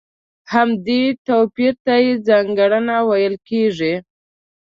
همدې توپير ته يې ځانګړنه ويل کېږي.